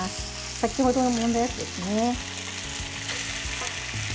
先ほど、もんだやつですね。